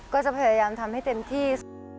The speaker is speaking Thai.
ก็จะพยายามทำให้เต็มที่